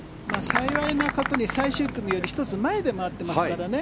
幸いなことに最終組より１つ前で回ってますからね。